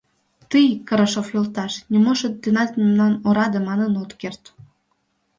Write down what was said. Тый, Карашов йолташ, нимо шот денат мемнам ораде манын от керт.